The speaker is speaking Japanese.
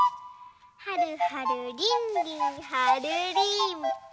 はるはるりんりんはるりんぱ！